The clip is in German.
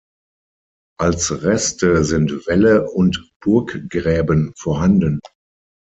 Als Reste sind Wälle und Burggräben vorhanden.